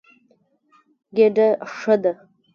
ګېډه ښه ده.